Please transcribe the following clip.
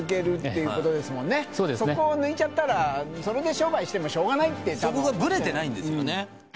そうですねそこを抜いちゃったらそれで商売してもしょうがないってそこがブレてないんですよね